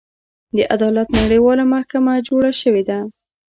د عدالت نړیواله محکمه جوړه شوې ده.